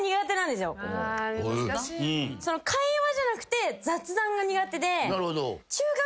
会話じゃなくて雑談が苦手で。